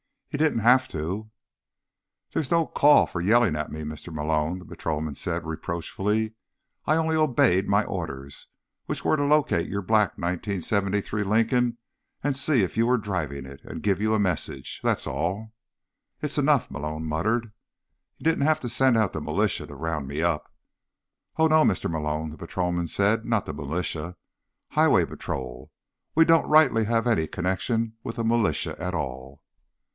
"He didn't have to—" "There's no call for yelling at me, Mr. Malone," the patrolman said reproachfully. "I only obeyed my orders, which were to locate your black 1973 Lincoln and see if you were driving it, and give you a message. That's all." "It's enough," Malone muttered. "He didn't have to send out the militia to round me up." "Oh, no, Mr. Malone," the patrolman said. "Not the militia. Highway Patrol. We don't rightly have any connection with the militia at all."